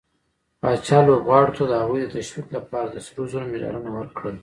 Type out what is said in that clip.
پاچا لوبغارو ته د هغوي د تشويق لپاره د سروزرو مډالونه ورکړل.